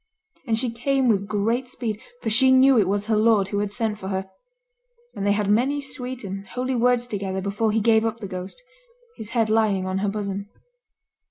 And she came with great speed, for she knew it was her lord who had sent for her; and they had many sweet and holy words together before he gave up the ghost, his head lying on her bosom.